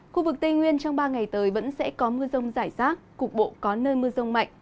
khu vực tây nguyên trong ba ngày tới vẫn sẽ có mưa rông rải rác cục bộ có nơi mưa rông mạnh